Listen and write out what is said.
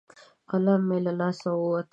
قلم مې له لاسه ووت.